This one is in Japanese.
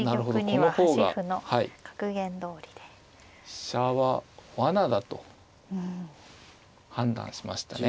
飛車はわなだと判断しましたね。